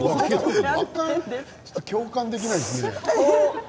ちょっと共感できないですね。